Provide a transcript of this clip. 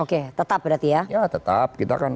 oke tetap berarti ya ya tetap kita kan